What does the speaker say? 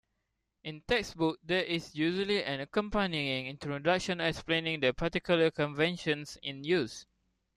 In textbooks, there is usually an accompanying introduction explaining the particular conventions in use.